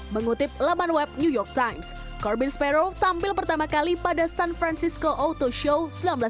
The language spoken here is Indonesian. mengutip laman web new york times corbin sparrow tampil pertama kali pada san francisco auto show seribu sembilan ratus sembilan puluh